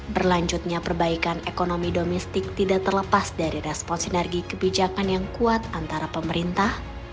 berlanjutnya perbaikan ekonomi domestik tidak terlepas dari respon sinergi kebijakan yang kuat antara pemerintah